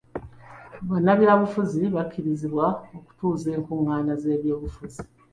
Bannabyabufuzi bakkirizibwa okutuuza enkungana z'ebyobufuzi.